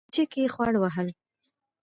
په چلمچي کې يې خوړ وهل.